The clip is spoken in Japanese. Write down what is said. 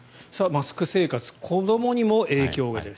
マスク生活子どもにも影響がある。